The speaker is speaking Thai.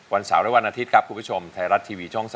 เสาร์และวันอาทิตย์ครับคุณผู้ชมไทยรัฐทีวีช่อง๓